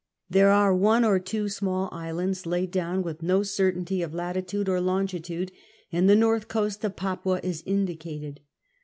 There are one or two small islands laid down with no certainty of latitude or longitude, and the north coast of Papua is indicated.